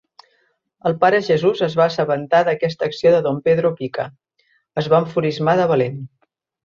El pare Jesús es va assabentar d'aquesta acció de Don Pedro Pica, es va enfurismar de valent.